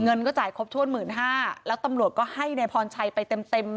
เงินก็จ่ายครบถ้วนหมื่นห้าแล้วตำรวจก็ให้นายพรชัยไปเต็มเต็ม